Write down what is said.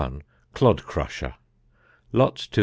Clod crusher. Lot 252.